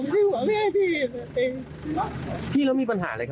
คุณหาอะไรขึ้นมาก่อนไหมอ่ะ